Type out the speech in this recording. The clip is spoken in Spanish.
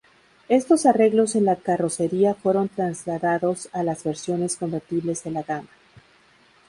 Estos arreglos en la carrocería, fueron trasladados a las versiones convertibles de la gama.